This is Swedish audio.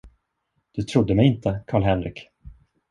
Du trodde mig inte, Karl Henrik.